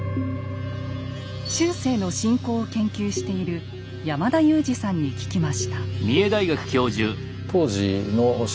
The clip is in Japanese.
中世の信仰を研究している山田雄司さんに聞きました。